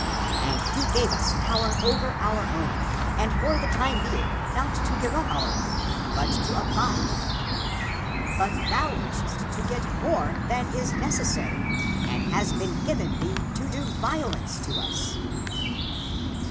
And he gave us power over our own, and for the time being not to give up our own, but to abide in it. But thou wishest to get more than is necessary and has been given thee and to do vio lence to us